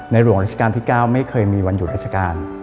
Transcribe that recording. หลวงราชการที่๙ไม่เคยมีวันหยุดราชการ